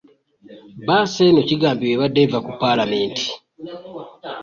Bbaasi eno kigambibwa ebadde eva ku ppaalamenti.